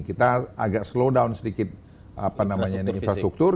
kita agak slow down sedikit infrastruktur